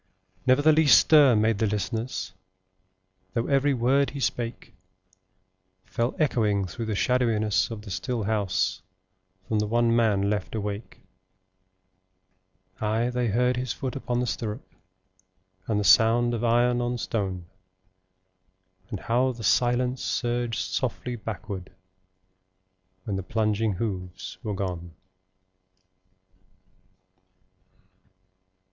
Never the least stir made the listeners, Though every word he spake Fell echoing through the shadowiness of the still house From the one man left awake: Ay, they heard his foot upon the stirrup, And the sound of iron on stone, And how the silence surged softly backward, When the plunging hoofs were gone.